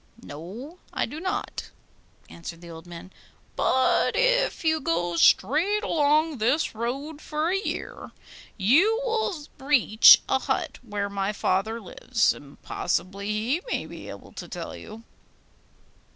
'No, I do not,' answered the old man. 'But if you go straight along this road for a year, you will reach a hut where my father lives, and possibly he may be able to tell you.